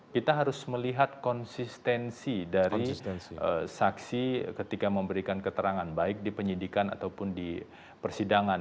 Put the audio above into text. kita harus melihat konsistensi dari saksi ketika memberikan keterangan baik di penyidikan ataupun di persidangan